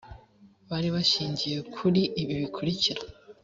bari bashingiye kuri ibi bikurikira